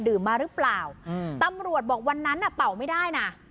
มาหรือเปล่าตำรวจบอกวันนั้นน่ะเป่าไม่ได้นะ